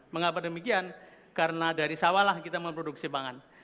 mengapa demikian karena dari sawahlah kita memproduksi pangan